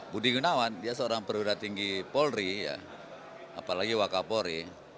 budi gunawan dia seorang perudah tinggi polri apalagi wakil kapolri